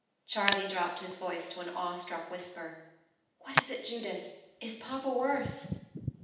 Charley dropped his voice to an awe struck whisper. "What is it, Judith? Is papa worse?"